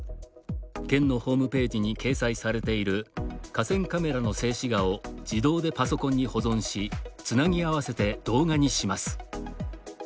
県のホームページに掲載されている河川カメラの静止画を自動でパソコンに保存しつなぎ合わせて動画にします。